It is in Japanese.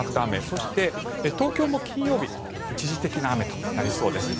そして、東京も金曜日一時的な雨となりそうです。